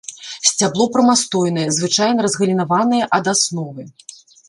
Сцябло прамастойнае, звычайна разгалінаванае ад асновы.